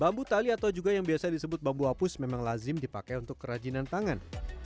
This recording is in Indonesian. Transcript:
bambu tali atau juga yang biasa disebut bambu hapus memang lazim dipakai untuk kerajinan tangan